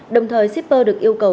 đồng thời shipper được yêu cầu